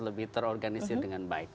lebih terorganisir dengan baik